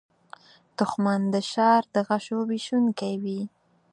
دښمن د شر د غشو ویشونکی وي